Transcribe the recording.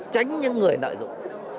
tránh những người nợi dụng